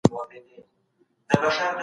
نور متلونه هم وليکم؟